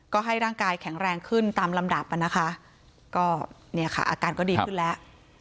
ก็ให้ร่างกายแข็งแรงขึ้นตามลำดับอาการก็ดีขึ้นแล้ว